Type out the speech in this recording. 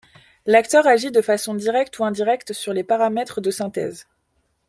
L'acteur agit de façon directe ou indirecte sur les paramètres de synthèse.